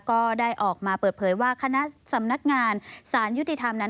ก็ได้ออกมาเปิดเผยว่าคณะสำนักงานสารยุติธรรมนั้น